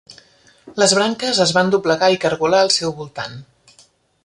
Les branques es van doblegar i cargolar al seu voltant.